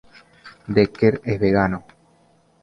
Dekker es vegano.